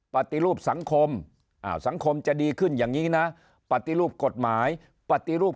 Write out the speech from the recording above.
ปฏิรูปสังคมสังคมจะดีขึ้นอย่างนี้นะปฏิรูปกฎหมายปฏิรูป